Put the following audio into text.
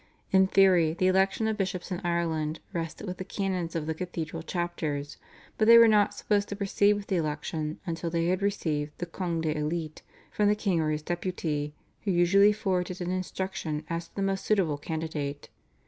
In theory the election of bishops in Ireland rested with the canons of the cathedral chapters, but they were not supposed to proceed with the election until they had received the /congé d'élite/ from the king or his deputy, who usually forwarded an instruction as to the most suitable candidate.